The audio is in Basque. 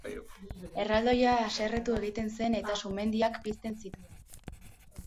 Erraldoia haserretu egiten zen eta sumendiak pizten zituen.